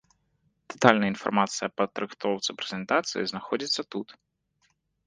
Дэтальная інфармацыя аб падрыхтоўцы прэзентацыі знаходзіцца тут.